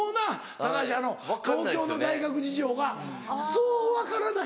高橋東京の大学事情がそう分からないんですよ。